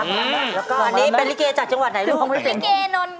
แล้วก็เนี่ยเป็นริเก๋จากจังหวัดไหนเดี๋ยวผมเล่น